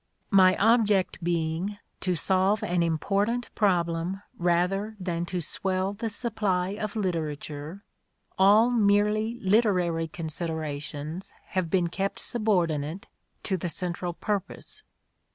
My object being to solve an important problem rather than to swell the supply of literature, all merely literary considerations have been kept subordinate to the central purpose.